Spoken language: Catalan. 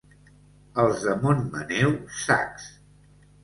Els de Montmaneu, sacs.